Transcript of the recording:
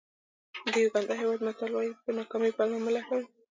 د یوګانډا هېواد متل وایي په ناکامۍ پلمه مه لټوئ.